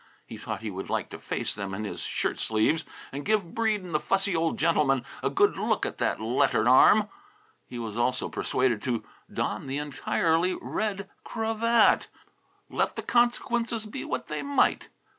He thought he would like to face them in his shirtsleeves, and give Breede and the fussy old gentlemen a good look at that lettered arm. He was almost persuaded to don the entirely red cravat, let the consequences be what they might.